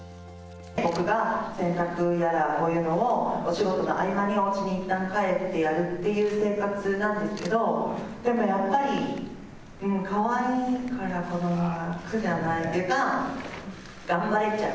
僕が洗濯とかいうのをお仕事の合間におうちにいったん帰ってやるっていう生活なんですけど、でもやっぱりかわいいから、子どもが、苦じゃないっていうか、頑張れちゃう。